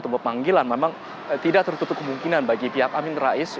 atau pemanggilan memang tidak tertutup kemungkinan bagi pihak amin rais